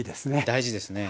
大事ですね。